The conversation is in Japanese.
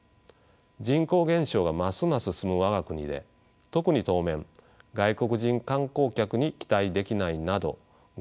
人口減少がますます進む我が国で特に当面外国人観光客に期待できないなど外需依存が難しいもとで